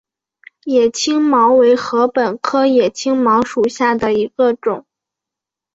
野青茅为禾本科野青茅属下的一个种。